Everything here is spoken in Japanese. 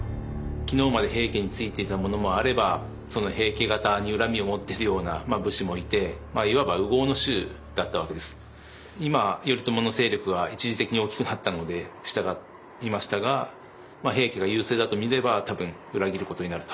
昨日まで平家についていた者もあればその平家方に恨みを持ってるような武士もいていわば今頼朝の勢力は一時的に大きくなったので従いましたが平家が優勢だとみれば多分裏切ることになると。